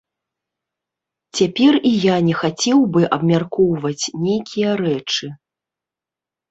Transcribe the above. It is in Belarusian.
Цяпер я і не хацеў бы абмяркоўваць нейкія рэчы.